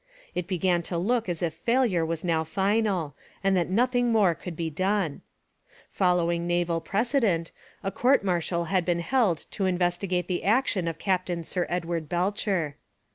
It began to look as if failure was now final, and that nothing more could be done. Following naval precedent, a court martial had been held to investigate the action of Captain Sir Edward Belcher.